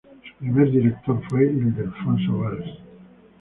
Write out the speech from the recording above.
Su primer director fue Ildefonso Valls.